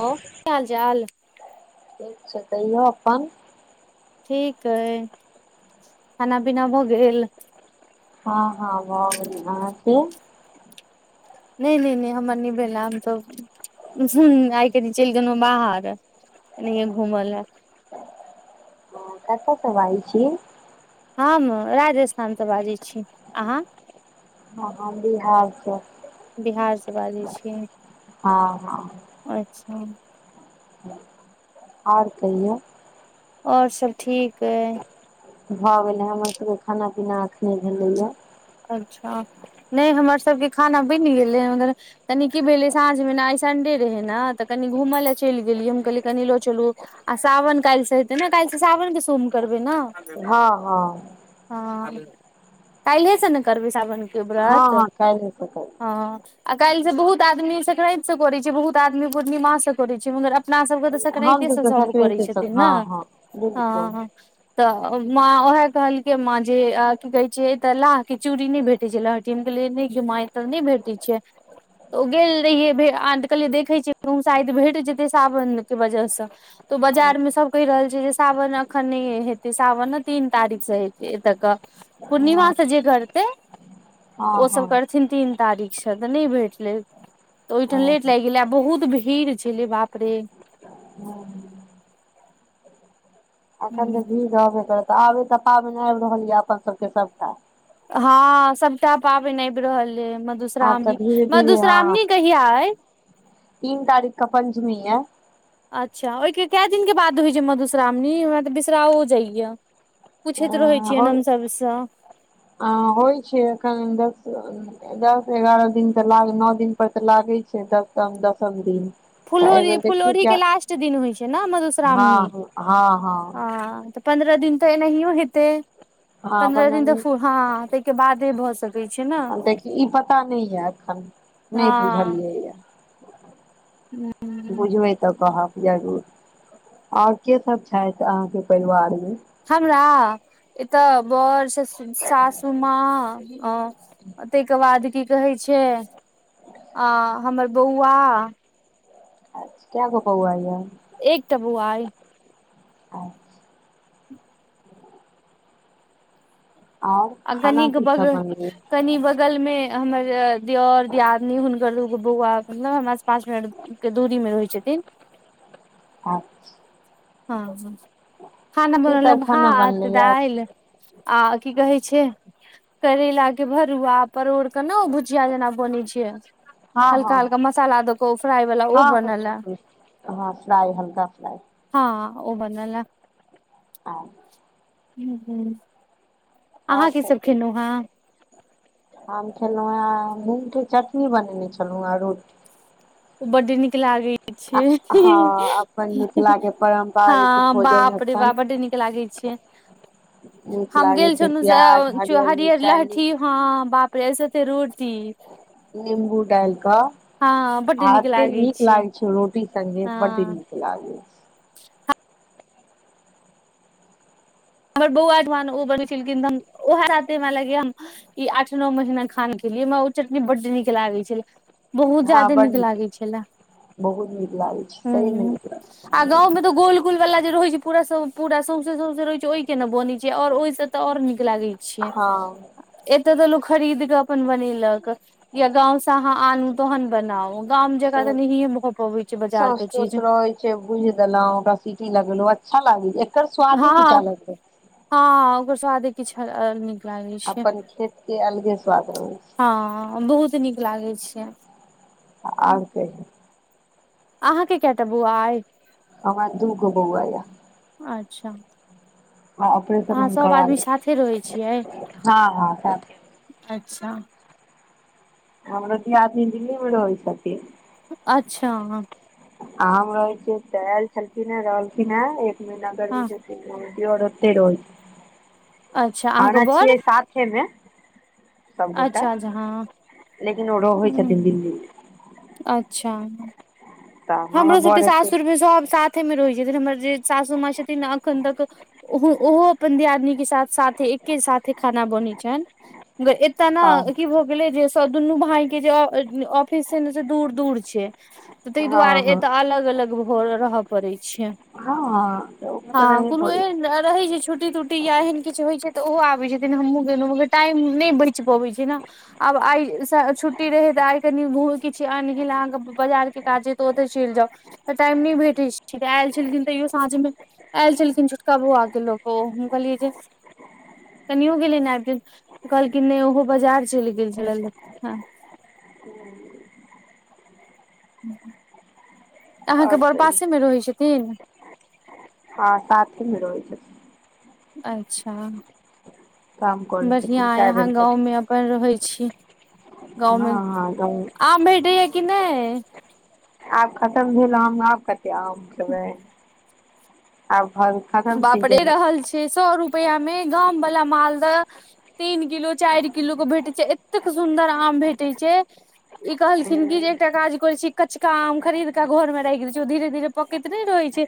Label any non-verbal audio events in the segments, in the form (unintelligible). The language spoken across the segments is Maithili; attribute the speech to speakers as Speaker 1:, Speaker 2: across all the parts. Speaker 1: हं।
Speaker 2: की हाल चाल?
Speaker 1: ठीक छै कहियौ अपन
Speaker 2: ठीक है खाना पीना भऽ गेल?
Speaker 1: हँ हँ भ गेलै अहाँके?
Speaker 2: ने ने ने हमर ने भेल हम सब हम्म, आइ कनि चइल गेलुं बाहर एनेहेयए घूमे लए।
Speaker 1: अहाॅ कतसँ बाजे छिइ।
Speaker 2: हम राजस्थानसँ बाजै छी। अहाँ- -
Speaker 1: हँ ह बिहार स
Speaker 2: बिहार से बाजै छी
Speaker 1: हँ हँ - -
Speaker 2: अच्छा- -
Speaker 1: आर कहियो- -
Speaker 2: और सब ठीक अई- -
Speaker 1: भऽ गेलै हमर सबके खाना- पीना अखने भेलैइया।
Speaker 2: अच्छा न ई हमर सबके खाना बनि गेलै मंगर- - तनी की भेलै साँझमे न आइ संडे रहै न, तऽ कनि घूम लए चइल गेलिए हम कहलियै कनि ल चलू आ सावन कायैल स हेतै न कायैल स सावनके सोम करबै न।
Speaker 1: हँ हँ।
Speaker 2: हँ, कायल्हे से न करबै सावन? के
Speaker 1: हँ
Speaker 2: बर्त,
Speaker 1: हँ काल्हि
Speaker 2: हँ आ कायेल स बहुत आदमी सक्रेत स करै छै, बहुत आदमी पूर्णिमास से करे छै मगर अपना सबके तऽ
Speaker 1: हम
Speaker 2: सकैरैत
Speaker 1: तऽ
Speaker 2: सब करै
Speaker 1: सकराते सब
Speaker 2: छथिन
Speaker 1: हँ
Speaker 2: न
Speaker 1: हँ बिलकुल
Speaker 2: हँ तऽ माँ उएहे कहलकै माँ जे की कहे छ तऽ ला चूड़ी नयि भेटै छै लहढी हम कहलियै नयि गे मां एत त नयि भेटैत छै। ओ गेल रहियैे भे आद कले, देखै छी गूम शायद भेट जेतै सावनके वजहसँ त बाजारमे सब कहि रहल छै जे सावन अखन नयि हेतै सावन न तीन तारीख से हेते एतय क
Speaker 1: ह
Speaker 2: करते ओ सब करथिन तीन तारीख स त नयि भेटलै। त ओइठाम
Speaker 1: हँ
Speaker 2: लेट लाइग गेलै आ बहुत भीड़ छलै बाप रे।
Speaker 1: हम्म अखन
Speaker 2: हूँ
Speaker 1: तऽ भीड़ भाड़ रहबे करत आबे तऽ पाबन आइब रहल ये अपन सभके सभटा।
Speaker 2: हँ सभटा पाबन आइब रहल ह कि,
Speaker 1: आब तऽ
Speaker 2: मधुश्रावणी
Speaker 1: धीरे धीरे हँ
Speaker 2: मधुश्रावणी कहिया कहिया अइ
Speaker 1: तीन तारीख क पञ्चमी अइ।
Speaker 2: अच्छा ओइके कए दिनके बाद होइ छै मधुश्रावणी हमरा तऽ बिसराओ जाइये। पूछैत रहै छियन
Speaker 1: हो
Speaker 2: हम सभसँ।
Speaker 1: आ होइ छै एखन (inaudible) दस एगारह दिन त लागे नओ दिन पर त लागै छै द दसम दिन। तऽ
Speaker 2: फुललोढी
Speaker 1: एहिबेर देखियौ
Speaker 2: फुललोढी
Speaker 1: क्या
Speaker 2: के लास्ट दिन होइ छै ना मधुश्रामणी,
Speaker 1: हँ हँ हँ
Speaker 2: हँ त पन्द्रह दिन तऽ एनाहियो हेतै
Speaker 1: हँ
Speaker 2: पंन्द्रह
Speaker 1: पन्द्रह
Speaker 2: दिन तऽ फो हां तइके बादे भऽ सकै छै ने
Speaker 1: आब देखी ई पता नहि यए एखन नहि
Speaker 2: हँ
Speaker 1: बुझलियै यए। बुझबै तऽ कहब। जरूर, आऔर के सब छथि अहाँके परिवार मे?
Speaker 2: हमरा एतऽ बड़, ससु, सासु माँ औ ताहिके बाद की कहै छै आ हमर बौआ
Speaker 1: कै गो बौआ यै?
Speaker 2: एक टा बौआ अइ।
Speaker 1: ओ आओर
Speaker 2: आ
Speaker 1: खाना
Speaker 2: कनीक
Speaker 1: की
Speaker 2: बग
Speaker 1: सब बनलै
Speaker 2: कनी बगल मे हमर दिऔर, दियादनी हुनकर दूगो बौआ मतलब हमरा से पांच मिनट के दूरी मे रहै छथिन
Speaker 1: की
Speaker 2: हँ हॅं खाना बनल ए
Speaker 1: सब खाना
Speaker 2: भात,
Speaker 1: बनलै य
Speaker 2: दाइल आ की कहै जे करैला के भरुआ, परोड़ के नै ओ भुजिया जेना बनेै छै
Speaker 1: हँ हँ
Speaker 2: हल्का हल्का मसाला दक ओ फ्राई वाला ओ
Speaker 1: हँ हँ
Speaker 2: बनल ए।
Speaker 1: बिलकुल हँ फ्राइ हल्का फ्राइ
Speaker 2: हँ ओ बनल ए।
Speaker 1: ओ
Speaker 2: हूं हूं अहाँ
Speaker 1: और
Speaker 2: की
Speaker 1: सब
Speaker 2: खेलहुँ हेँ
Speaker 1: कहियौ। हम खेलहुएं मूंग के चटनी बनेने छलहुॅंहे आ रोटी।
Speaker 2: ओ बड्ड नीक लागै छै। ही ही ही
Speaker 1: हँ अपन
Speaker 2: ही ही
Speaker 1: मिथिलाके
Speaker 2: हँ
Speaker 1: पारम्परिक भोजन
Speaker 2: बाप रे बा
Speaker 1: एखन
Speaker 2: बड्ड नीक लागे छै।
Speaker 1: नीक
Speaker 2: हम
Speaker 1: लागै
Speaker 2: गेल
Speaker 1: छै
Speaker 2: छनौ से ओ
Speaker 1: प्याज
Speaker 2: चू हरियर
Speaker 1: मिरचाइ
Speaker 2: लहठी
Speaker 1: निम्बू
Speaker 2: हँ बाप रे अई साथे रोटी
Speaker 1: नीबू डाइलक
Speaker 2: हँ बड्ड
Speaker 1: आ अत्ते
Speaker 2: लागै
Speaker 1: नीक लागे छै रोटी संगे
Speaker 2: हँ
Speaker 1: बड्ड नीक। लागू
Speaker 2: हमर बौआ ओइठमान ओ बनेने छलखिन तऽ ओएह साथे हमरा लगैयै हम ई आठ नौ महिना खाना खेलियै हमरा ओ चटनी बड्ड नीक लागै छलै। बहुत
Speaker 1: हँ
Speaker 2: जादे
Speaker 1: बड
Speaker 2: नीक लागै छलै,
Speaker 1: बहुत नीक लागै छै सहीमे
Speaker 2: हूं।
Speaker 1: नीक लागै
Speaker 2: आ गांव में त गोल गोल बला जे रहै छै पूरा सौं पूरा सौंसे सौंसे रहे ओहिके ने बनै छै आओर ओहिस तऽ आओर नीक लागै छै।
Speaker 1: हँ
Speaker 2: एते तऽ लोक खरीद क अपने बनेलक या गाँंव से अहाँ आनू तहन बनाऊ। गाम जेंका त नहींये भऽ पबै छै बजार के चीज।
Speaker 1: से भुजि देलहुं ओकरा सीटी लगेलौं अच्छा लागै एकर स्वादे कीछ
Speaker 2: हँ
Speaker 1: अलग छै
Speaker 2: हँ ओकर स्वादे किछ अल नीक लागै छै
Speaker 1: अपन खेत के अलगे स्वाद रहै छै।
Speaker 2: हां। बहुत नीक लागै छै।
Speaker 1: आर कहियौ।
Speaker 2: अहाँके कैटा बउआ अइ?
Speaker 1: हमरा दुगो बौआ यै।
Speaker 2: अच्छा
Speaker 1: हं ऑपरेशन
Speaker 2: अहाँ
Speaker 1: हम
Speaker 2: सभ
Speaker 1: करा
Speaker 2: आदमी
Speaker 1: लेने
Speaker 2: साथे रहै
Speaker 1: छी,
Speaker 2: छियै
Speaker 1: हँ हँ साथे।
Speaker 2: अच्छा।
Speaker 1: हमरो दियादनी दिल्ली मे रहै छथिन।
Speaker 2: अच्छा हं।
Speaker 1: आम रहे छिय त ऐल छलखिन ह रहलखिन हे एक महीना
Speaker 2: हँ
Speaker 1: करीब गरमी छुट्टी दियोर ओतेए रहै छथिन,
Speaker 2: अच्छा अहाँके
Speaker 1: ओना
Speaker 2: बड़
Speaker 1: छियै साथे मे? सब गोटा
Speaker 2: अच्छा अच्छा हँ
Speaker 1: लेकिन ओ रहै छथिन दिल्ली मे।
Speaker 2: अच्छा।
Speaker 1: तऽ
Speaker 2: हमरो
Speaker 1: हमर
Speaker 2: सबके
Speaker 1: बर एते
Speaker 2: सासुर मे सभ साथे मे रहै छथिन हमर जे सासू माँ छथिन ने अखन तक ओ ओहो अपन दियदिननी के साथ साथे एके साथे खाना बनैत छैन मगर तेना
Speaker 1: हँ
Speaker 2: की भऽ गेलै जे दुनू भाई के जे ऑफिस छै ने से दूर दूर छै तै दुआरे
Speaker 1: हँ हँ
Speaker 2: एत अलग अलग रहय पड़े छै।
Speaker 1: हँ हँ त ओ त
Speaker 2: हँ
Speaker 1: रहै
Speaker 2: कोनो
Speaker 1: पड़ै छै।
Speaker 2: एहन रहै छै छुट्टी तुट्टी या एहन किछु होइ छै तऽ ओहो आबै छथिन हमहुँ गेलहुँ मगर टाइम नहि बचि पबैत छै ने। आब आइ छुट्टी रहे तऽ आई कनी किछ आनि गेल अहाँ के बाजार के काजे। तऽ ओते चलि जाउ तऽ टाइम नहि भेटैत छै आयल छलखिन तैयो साँझ मे आयल छलखिन छोटका बौआके ल के ओ, हम कहलियै जे कनियो के नेने अबितियैन त कहलखिन नहि ओहो बाजार चलि गेल छलैथ हं अहाँके
Speaker 1: आओर
Speaker 2: बड़
Speaker 1: कहियौ
Speaker 2: पासे मे रहै छथिन।
Speaker 1: हँ साथेमे रहै छथिन।
Speaker 2: अच्छा,
Speaker 1: काम करै छथिन
Speaker 2: बढ़िया अछि अहां
Speaker 1: प्राइवेट
Speaker 2: गाँव में अपन रहै छी गाँव मे,
Speaker 1: हँ हँ गाँव
Speaker 2: आम भेटैये कि नहि।
Speaker 1: आब खतम भेल आम, आब कते आम खेबै, आब भ
Speaker 2: बापरे द रहल छै सौ रुपैआ मे गामवला मालदह तीन किलो चारि किलो के भेटै छै एतेक सुन्दर आम भेटैत छै। ई कहलखिन कि जे एकटा काज करे छी कचका आम खरीद क घर में राखि दै छियै ओ धीरे धीरे पकैत नहि रहै छै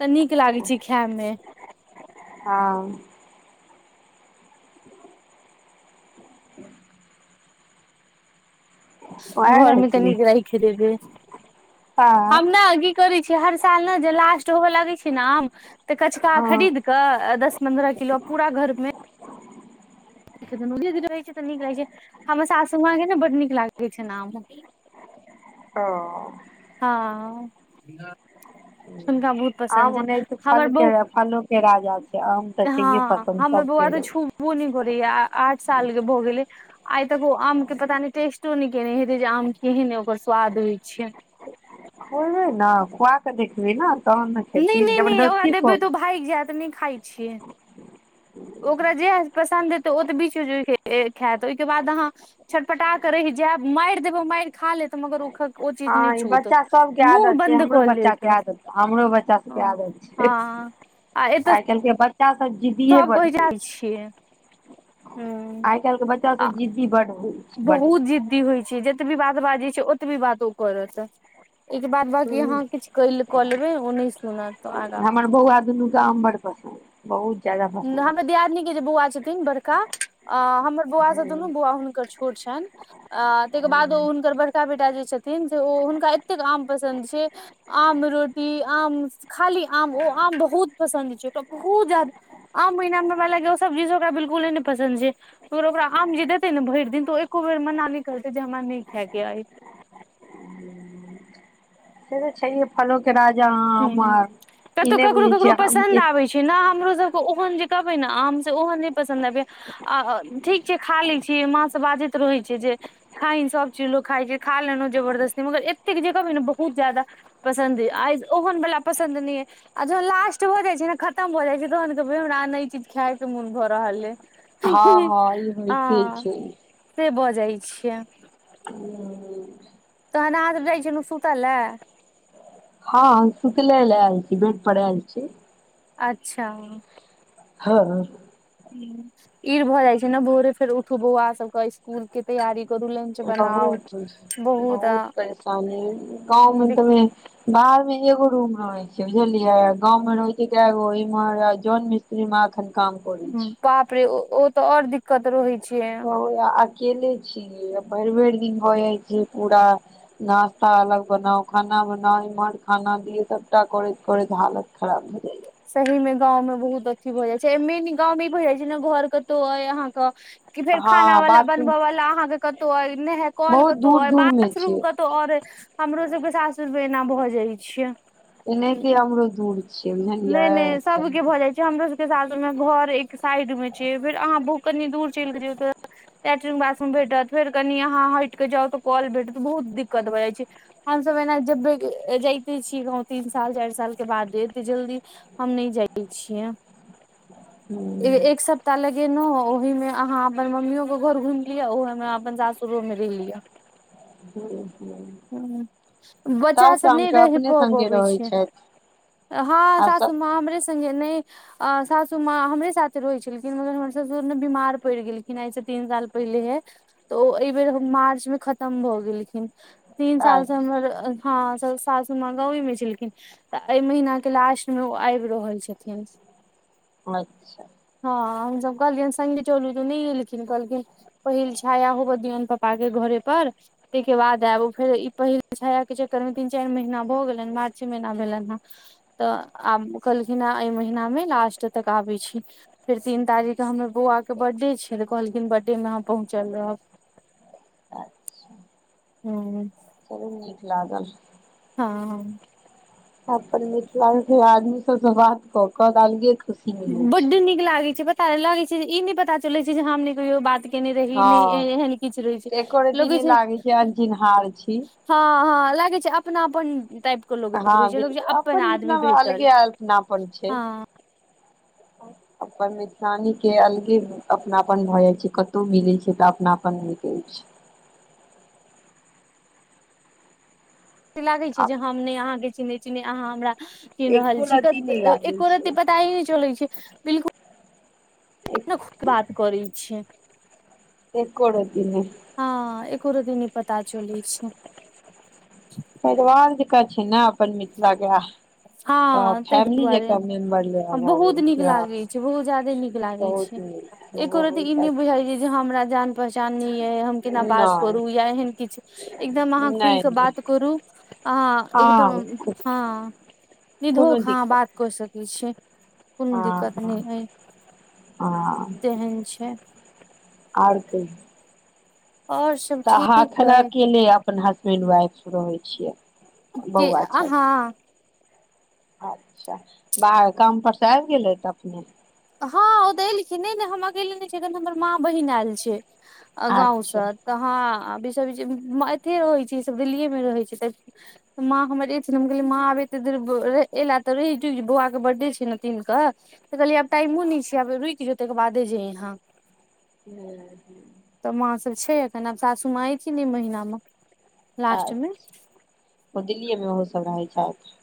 Speaker 2: तऽ नीक लागे छै खाय मे।
Speaker 1: हँ। वैह ने
Speaker 2: घरमे त
Speaker 1: की
Speaker 2: नीक लगै छै राखी देेबै,
Speaker 1: हँ
Speaker 2: हम ने आगे करै छी हर साल ने जे लास्ट होऽ लगै छै ने आम तऽ कचका
Speaker 1: हँ
Speaker 2: खरीद कऽ दस पन्द्रह किलो, पूरा घर मे रहै छै तऽ नीक लागै छै। हमर सासुमाँ के ने बड नीक लागे छैन आम।
Speaker 1: हां।
Speaker 2: हँ। हुनका बहुत पसन्द
Speaker 1: आम
Speaker 2: छैन,
Speaker 1: ओनाहिते
Speaker 2: हमर
Speaker 1: फल
Speaker 2: ब
Speaker 1: के फलो के राजा छै आम तऽ छैहे पसन्द
Speaker 2: हमर बौआ
Speaker 1: सबके
Speaker 2: तऽ छुबो बो नहि करैये आठ साल के भऽ गेलै। आइ तक ओ आम के पता नहि टेस्टो नहि केयने हेतै जे आम केहेन ओकर स्वाद होइत छै।
Speaker 1: ने खुएबै खुआ कऽ देखबी ने तखन ने
Speaker 2: नहि
Speaker 1: खेथिन,
Speaker 2: नहि नहि ओकरा
Speaker 1: जबरदस्ती
Speaker 2: देबै
Speaker 1: खुआव।
Speaker 2: तऽ ओ भागि जायत नहि खाय छै। ओकरा जे पसन्द हेतै ओ तऽ बिच मे खायत ओहिके बाद अहाँ छटपटा के रहि जायब, मारि देबै मारि खा लेत मगर ओ ओ चीज नहि
Speaker 1: हँ ई
Speaker 2: छूत,
Speaker 1: बच्चा सबके
Speaker 2: मुह
Speaker 1: आदत छै
Speaker 2: बन्द
Speaker 1: हमरो
Speaker 2: क
Speaker 1: बच्चा
Speaker 2: लेत,
Speaker 1: के आदत हमरो बच्चा सबके
Speaker 2: हं।
Speaker 1: आदत छै
Speaker 2: हँ। आ एतऽ
Speaker 1: आइ काल्हि के बच्चा सब जिदीए बड होइ छै।
Speaker 2: छै।
Speaker 1: आइ काल्हि के बच्चा
Speaker 2: आ
Speaker 1: सब जिद्दी बड होई छै बडे।
Speaker 2: बहुत जिद्दी होइ छैय जतबी बात बाजैय छैय ओतबी बात ओ करत। एक बाद बाकी
Speaker 1: हूँ
Speaker 2: अहाँ किछु कऽ लेबैय ओ नहि सुनत। आगाँ
Speaker 1: हमर बौआ दुनूके आम बड़ पसन्द बहुत जादा।
Speaker 2: हर दियादनीके जे बौआ छथिन थिन बड़का अ हमर बौआ से दुनू
Speaker 1: छै
Speaker 2: बौआ हुनकर छोट छनि आ ताहिके बाद ओ हुनकर बड़का बेटा जे छथिन से ओ हुनका एतेक आम पसन्द छैय आम रोटी आम खाली आम ओ आम बहुत पसन्द छैय ओकरा बहुत जादा आम महिना मे हमरा लगैये ओ सब चीज ओकरा बिल्कुले नय पसन्द छैय। फेर ओकरा आम जे देते ने भरि दिन तऽ ओ एको बेर मना नइ करतैय जे हमरा नइ खायके अय।
Speaker 1: से त छैेहे फलों के राजा आम
Speaker 2: हूं
Speaker 1: ई नहि बुझय छियै।
Speaker 2: एना हमरो सबके ओहन जे कहबैय ने आम से ओहन नय पसन्द अबैया। आ ठीक छैय खा लै छी माँ सभ बाजैत रहैय छैय जे खाइ सभचीज लोक खाइ छैय खा लेलहु जबरदस्ती मगर एतेक जे कहबैयने बहुत जादा पसन्द अइ ओहन बला पसंन्द नय अइ। आ जहन लास्ट भऽ जाय छैय ने खतम भऽ जाय छैय तहन कहबैय हमरा ने ई चीज खाय के मन भ रहल
Speaker 1: हँ
Speaker 2: अइ।
Speaker 1: हँ ई होइते
Speaker 2: हँ
Speaker 1: छै
Speaker 2: से भऽ जाइ छियै।
Speaker 1: (inaudible)
Speaker 2: तहन हाँ सब जाइ छलु सुतऽ लए।
Speaker 1: हँ सुतले लए आयल छी, बेड पर आयल छी।
Speaker 2: अच्छा।
Speaker 1: हँ।
Speaker 2: ह ईर भऽ जाइ छैय ने भोरे फेर उठू बौआ सबके इसकुलके तैयारी करू लंच बनाउ
Speaker 1: बहुत
Speaker 2: बहुत आ
Speaker 1: गाँव में त मेन बाहरमे एगो रूम रहय।। बुझलियै गांव मे रहिके कै गो इमहर जोन मिस्त्रीमे एखन काम करय छी।
Speaker 2: बाप रे ओ त आओर दिक्कत रहय छैय।
Speaker 1: बहु अकेले छीयै भरि-भरि दिन भऽ जाइ छैय पूरा नास्ता अलग बनाउ खाना बनाउ इमहर खाना दियौ सबटा करैत करैत हालत खराब भ जाइ छैय।
Speaker 2: सहीमे गांवमें बहुत अथी भ जाइ छैय ए मेन इ गांवमे इ भ जाइ छैय ने घर कतहु अइ अहाँके कि फेर
Speaker 1: हँ
Speaker 2: खाना वला
Speaker 1: बात
Speaker 2: बनबय वला अहाँके कतहु अय नह कऽल
Speaker 1: बहुत
Speaker 2: कतहु
Speaker 1: दूर
Speaker 2: अइ
Speaker 1: दूर मे
Speaker 2: बाथरूम
Speaker 1: छै
Speaker 2: कतहु आओर अइ। हमरो सबके सासुरमे एना भऽ जाइ छैय।
Speaker 1: (unintelligible) (unintelligible)
Speaker 2: नय-नय सबके
Speaker 1: साउस
Speaker 2: भ जाइ छैय। हमरो सबके सासुरमे घर एक साइडमे छैय फेर अहाँ बहु कनी दूर चलि के जैइयौ त लैट्रिग बाथरूम भेटत फेर कनि अहाँ हटिके जाउ तऽ कऽल भेटत बहुत दिक्कत भऽ जाइ छैय। हमसब एना जब जइते छीयै गाँव तीन साल, चारि सालके बादे एते जल्दी हम नय जाय छियै। ए एक सप्ताह ले गेलहु ओहिमे अहाँ अपन मम्मीयो के घर घुइम लियऽ ओहे मे अपन सासुर मे घुइम लियऽ।
Speaker 1: (unintelligible) तऽ
Speaker 2: बच्चा सब नय
Speaker 1: अहाँके
Speaker 2: रहि
Speaker 1: अपने
Speaker 2: प
Speaker 1: संगे
Speaker 2: पबै
Speaker 1: रहै
Speaker 2: छैय,
Speaker 1: छथि
Speaker 2: हँ
Speaker 1: आ
Speaker 2: सासु
Speaker 1: सब
Speaker 2: मां हमरे स संगे नय अ सासु माँ हमरे साथे रहैय छलखिन मगर हमर ससुर ने बीमार पड़ि गेलखिन आइ से तीन साल पहिलेहे तऽ ओ एय बेेर मार्चमे खतम भऽ गेलखिन तीन साल सँ हमर
Speaker 1: अच्छा
Speaker 2: अ हँ स सासू माँ गांवे मे छलखिन तऽ अय महिना के लास्ट मे ओ आबि रहल छथिन।
Speaker 1: अच्छा
Speaker 2: हँ हमसब कहलियैन संगे चलू तऽ नय एलखिन कहलखिन पहिल छाया होब दियौन पप्पा के घरे पर तयके बाद आब फेर ई पहिल छाया के चक्कर मे तीन चारि महीना भऽ गेलनि मार्चे महीना भेलनि हेँ। तऽ आब कहलखिन ए अय महीना मे लास्ट तक आबै छी। फेर तीन तारीख क हमर बौआ के बर्थडे छै तऽ कहलखिन बर्थडे मे हम पहुँचल रहब।
Speaker 1: अच्छा
Speaker 2: उं
Speaker 1: चलू नीक लागल।
Speaker 2: हँ।
Speaker 1: अपन मिथिला के आदमी सब सँ बात कऽ क त अलगे ख
Speaker 2: बड्ड नीक लागै छै पता अइ लागे छै जे ई नय पता चलै छै जे हम नय कहियो बात केने रही नै
Speaker 1: हँ
Speaker 2: एहन किछ रहै छै
Speaker 1: तऽ एको रती
Speaker 2: लगै
Speaker 1: नहि
Speaker 2: छै
Speaker 1: लागै अनचिन्हार छी
Speaker 2: हँ हँ लागै छै अपनापन टाइप के लगैत
Speaker 1: हँ
Speaker 2: रहै छै, लगै छै
Speaker 1: बिल्कुल
Speaker 2: अपन आदमी
Speaker 1: मिथिलामे
Speaker 2: भेटल,
Speaker 1: अलगे अपनापन छै
Speaker 2: हं
Speaker 1: अपन मिथिलानी के अलगे अपनापन भऽ जाइ छै कतहु मिलै छै तऽ अपनापन (unintelligible) छै।
Speaker 2: से लागै छै
Speaker 1: आ
Speaker 2: जे हम नय अहाँके चिनहै छी नय अहाँ हमरा चीन्ह रहल
Speaker 1: एको
Speaker 2: छी
Speaker 1: रती
Speaker 2: कत
Speaker 1: नहि लागै
Speaker 2: एको रती
Speaker 1: छै
Speaker 2: पताए नय चलै छै बिलकुल (unintelligible) बात करै छै।
Speaker 1: एको रत्ती नै।
Speaker 2: हँ एको रत्ती नय पता चलै छै।
Speaker 1: परिवार जकाँ छै ने अपन मिथिला के आह
Speaker 2: हँ तै दुआरे
Speaker 1: मेम्बर जेना
Speaker 2: आ
Speaker 1: भऽ
Speaker 2: बहुत
Speaker 1: गेल
Speaker 2: नीक
Speaker 1: छै हँ
Speaker 2: लागै छै, बहुत ज्यादे नीक लागै
Speaker 1: बहुत
Speaker 2: छै।
Speaker 1: नीक
Speaker 2: एको रती ई
Speaker 1: बहुत
Speaker 2: नै बुझाई
Speaker 1: अच्छा
Speaker 2: छै जे हमरा जान पहचान नै यै हम केना बात करू
Speaker 1: नहि
Speaker 2: या एहन किछ एकदम अहाँ खुलि
Speaker 1: नहि
Speaker 2: कऽ
Speaker 1: नहि
Speaker 2: बात करू आहां एकदम
Speaker 1: हँ
Speaker 2: हां।
Speaker 1: कोनो
Speaker 2: निधोख अहाँ
Speaker 1: दिक्कत
Speaker 2: बात क सकै छि। कोनो
Speaker 1: हँ
Speaker 2: दिक्कत
Speaker 1: हँ
Speaker 2: नै ऐ तेहन छै।
Speaker 1: और कहियौ
Speaker 2: और स
Speaker 1: तऽ अहाॅं अखनि अकेले अपन हसबेंड, वाइफ रहै छियै।
Speaker 2: के
Speaker 1: बौआ
Speaker 2: आहाँ?
Speaker 1: आच्छा बाहर काम परस आबि गेलथी अपने?
Speaker 2: हँ ओ तऽ एलखिन, नै नै हम अकेले नै छीयै एखन हमर माँ बहिन आयल छै गाँव स।
Speaker 1: अच्छा
Speaker 2: तऽ हँ आब ई सभ एतहे रहै छै ई सब दिल्लीए मे रहै छै तऽ तऽ माँ हमर एथिन हम कहलियै माँ आब एते देर एला तऽ रहि जो बौआ के बर्थडे छै ने तीन क तऽ कहलियै आब टाइमो नै छै आब रुकि जो ताहिके बादे जैहैं।
Speaker 1: (unintelligible)
Speaker 2: तऽ माँ सब छै एखन आब सासूमाँ एथिन इ महिना मे। लास्ट मे
Speaker 1: आच्छा ओ दिल्लीए मे ओहो सब रहै छैथि।